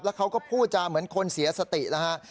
เขาก็พูดจาเหมือนคนเสียสตินะฮะ